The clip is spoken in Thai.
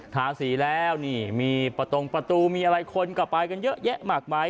ทาสีแล้วนี่มีประตงประตูมีอะไรคนก็ไปกันเยอะแยะมากมาย